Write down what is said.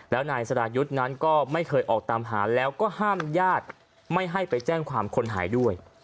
แล้วนายสรายุทธ์นั้นก็ไม่เคยออกตามหาแล้วก็ห้ามญาติไม่ให้ไปแจ้งความคนหายด้วย